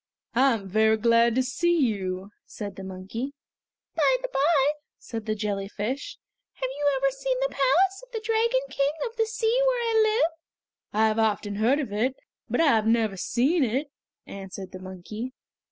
"I am very glad to see you," said the monkey. "By the bye," said the jellyfish, "have you ever seen the palace of the Dragon King of the Sea where I live?" "I have often heard of it, but I have never seen it!" answered the monkey.